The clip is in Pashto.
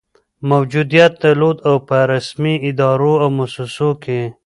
موجودیت درلود، او په رسمي ادارو او مؤسسو کي